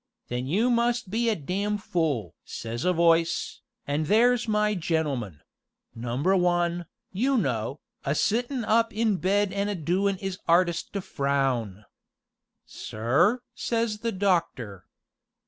'Then you must be a dam' fool!' says a voice, an' there's my gentleman Number One, you know, a sittin' up in bed an' doin' 'is 'ardest to frown. 'Sir?' says the doctor.